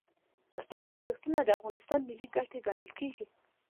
پښتني ارزښتونه د افغانستان ملي ګټې ګڼل کیږي.